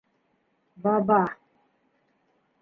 Баба...